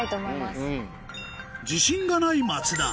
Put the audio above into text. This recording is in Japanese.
自信がない松田